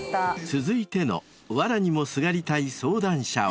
続いての笑にもすがりたい相談者は。